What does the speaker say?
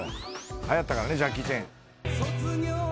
はやったからねジャッキー・チェン。